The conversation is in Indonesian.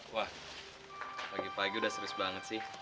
wah pagi pagi udah serius banget sih